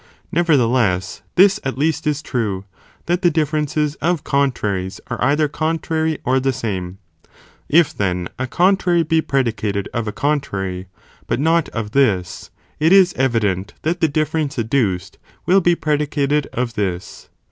Nevertheless, this at least is true, that the differences of contraries are either contrary or the same; if then a contrary be predicated of a contrary, but not of this, it is evident that the difference adduced, will be predicated of this.